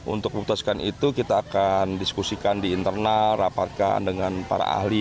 untuk memutuskan itu kita akan diskusikan di internal rapatkan dengan para ahli